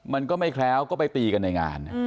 มันก็ไม่แคล้วก็ไปตีกันในงาน